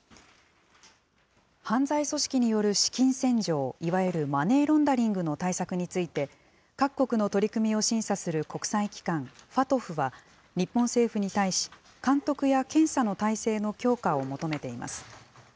犯罪組織による資金洗浄、いわゆるマネーロンダリングの対策について、各国の取り組みを審査する国際機関、ＦＡＴＦは、日本政府に対し、監督や検査の態勢の強化を求めています。